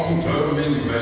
untuk pengembangan lama